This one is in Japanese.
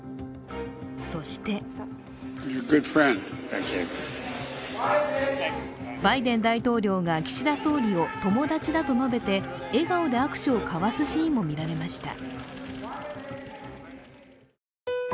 そしてバイデン大統領が岸田総理を友達だと述べて笑顔で握手を交わすシーンも見られました。